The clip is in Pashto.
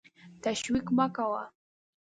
تشویش مه کوه !